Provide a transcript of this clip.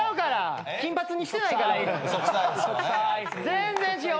全然違う。